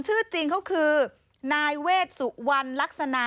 ชื่อจริงเขาคือนายเวชสุวรรณลักษณะ